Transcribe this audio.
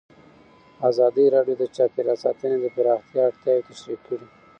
ازادي راډیو د چاپیریال ساتنه د پراختیا اړتیاوې تشریح کړي.